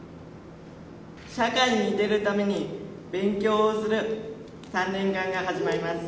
社会に出るために勉強をする３年間が始まります